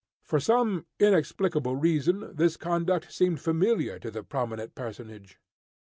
For some inexplicable reason, this conduct seemed familiar to the prominent personage.